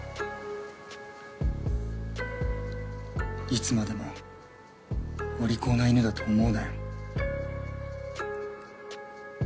いつまでもお利口な犬だと思うなよ。